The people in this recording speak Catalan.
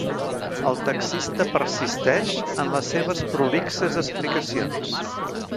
El taxista persisteix en les seves prolixes explicacions.